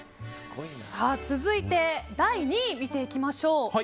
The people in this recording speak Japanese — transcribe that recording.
続いて第２位を見ていきましょう。